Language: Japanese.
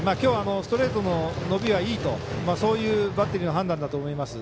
ストレートの伸びがいいとそういうバッテリーの判断だと思います。